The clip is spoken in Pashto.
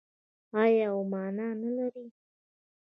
آیا او مانا نلري؟